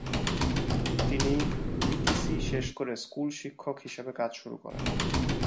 তিনি P T C শেষ করে স্কুল শিক্ষক হিসাবে কাজ শুরু করেন।